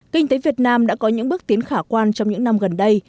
kinh tế việt nam đã có những bước tiến khả quan trong những năm gần đây